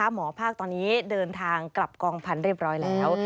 หมอภาคตอนนี้เดินทางกลับกองพันธุเรียบร้อยแล้ว